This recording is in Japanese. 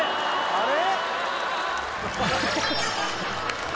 あれ？